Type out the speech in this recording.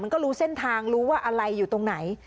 ก็รู้เส้นทางรู้ว่าอะไรอยู่ตรงไหน